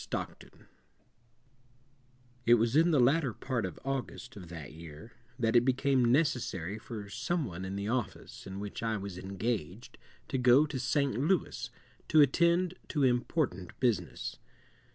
STOCKTON POMONA'S NOVEL It was in the latter part of August of that year that it became necessary for some one in the office in which I was engaged to go to St. Louis to attend to important business.